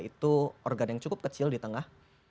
itu organ yang cukup kecil di tengah